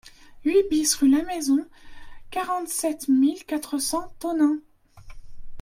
huit BIS rue Lamaison, quarante-sept mille quatre cents Tonneins